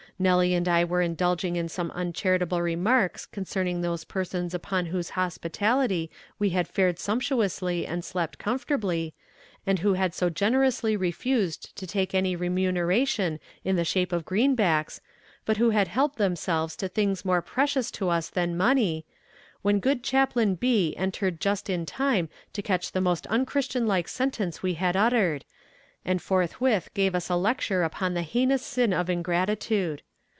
Nellie and I were indulging in some uncharitable remarks concerning those persons upon whose hospitality we had fared sumptuously and slept comfortably, and who had so generously refused to take any remuneration in the shape of greenbacks, but who had helped themselves to things more precious to us than money, when good Chaplain B. entered just in time to catch the most unchristian like sentence we had uttered, and forthwith gave us a lecture upon the heinous sin of ingratitude.